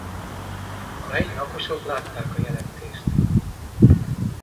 A helyi lakosok látták a jelenést.